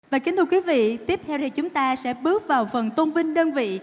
và kính thưa quý vị tiếp theo thì chúng ta sẽ bước vào phần tôn vinh đơn vị